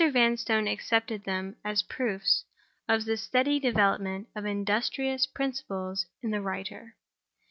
Vanstone accepted them as proofs of the steady development of industrious principles in the writer.